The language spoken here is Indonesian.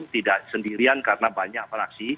tidak sendirian karena banyak fraksi